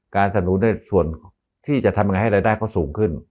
สนุนในส่วนที่จะทำยังไงให้รายได้เขาสูงขึ้น